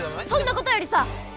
そんなことよりさ